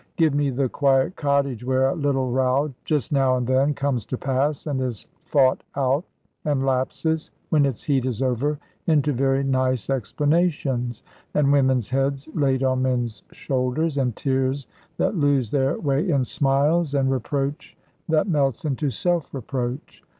Give me the quiet cottage, where a little row, just now and then, comes to pass, and is fought out, and lapses (when its heat is over) into very nice explanations, and women's heads laid on men's shoulders, and tears that lose their way in smiles, and reproach that melts into self reproach.